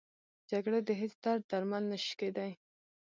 جګړه د هېڅ درد درمل نه شي کېدی